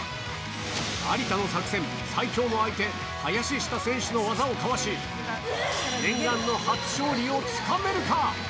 有田の作戦、最強の相手、林下選手の技をかわし、念願の初勝利をつかめるか。